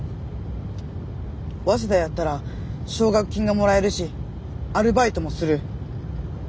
早稲田やったら奨学金がもらえるしアルバイトもする。